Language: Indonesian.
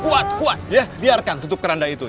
kuat kuat ya biarkan tutup keranda itu